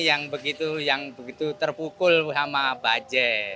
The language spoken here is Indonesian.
yang begitu terpukul sama bajaj